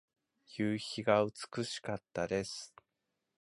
夕日が美しかったです。